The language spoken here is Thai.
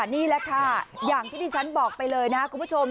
นี่แหละค่ะอย่างที่ที่ฉันบอกไปเลยนะครับคุณผู้ชม